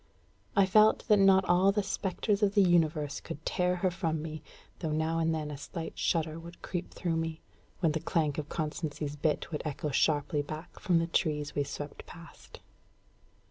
I felt that not all the spectres of the universe could tear her from me, though now and then a slight shudder would creep through me, when the clank of Constancy's bit would echo sharply back from the trees we swept past.